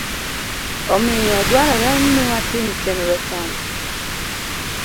Omiyo, dwarore ni watim chenro chon